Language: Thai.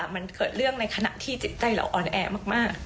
มันเกิดเรื่องในขณะที่จิตใจเราอ่อนแอมาก